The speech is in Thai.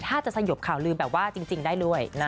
ถ้าจะสยบข่าวลืมแบบว่าจริงได้ด้วย